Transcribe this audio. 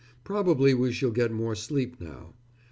Probably we shall get more sleep now.